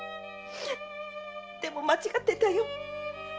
でも間違ってたよ。